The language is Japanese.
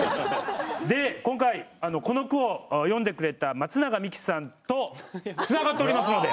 で、今回この句を詠んでくれたまつながみきさんとつながっておりますので。